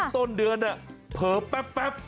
ต้นเดือนเพราะแป๊บ